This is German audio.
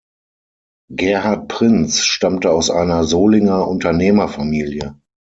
Gerhard Prinz stammte aus einer Solinger Unternehmerfamilie.